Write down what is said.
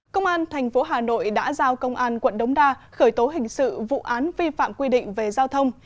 công an tp hà nội đã giao công an quận đống đa khởi tố hình sự vụ án vi phạm quy định về giao thông